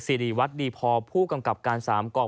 ซีรีวัตดีพอผู้กำกับการสามกอก